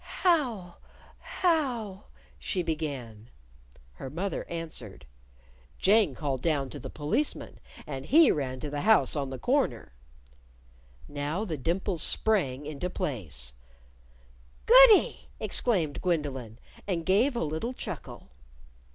"How how ?" she began. Her mother answered. "Jane called down to the Policeman, and he ran to the house on the corner." Now the dimples sprang into place, "Goody!" exclaimed Gwendolyn, and gave a little chuckle.